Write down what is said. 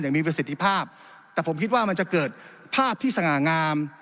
ก็จะเหลือว่ามันจะเกิดภาพที่สง่างาม